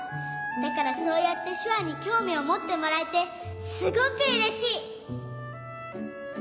だからそうやってしゅわにきょうみをもってもらえてすごくうれしい！